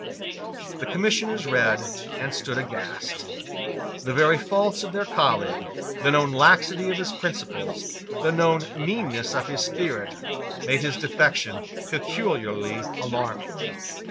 The Commissioners read and stood aghast. The very faults of their colleague, the known laxity of his principles, the known meanness of his spirit, made his defection peculiarly alarming.